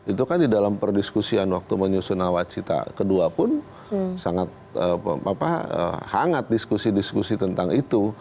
itu kan di dalam perdiskusian waktu menyusun nawacita ii pun sangat hangat diskusi diskusi tentang itu